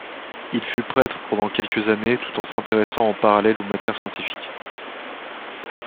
Il fut prêtre pendant quelques années tout en s'intéressant en parallèle aux matières scientifiques.